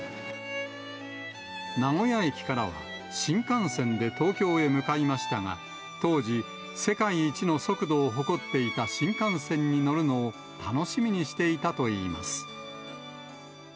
名古屋駅からは、新幹線で東京へ向かいましたが、当時、世界一の速度を誇っていた新幹線に乗るのを楽しみにしていたといいます。